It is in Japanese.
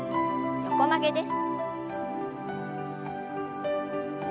横曲げです。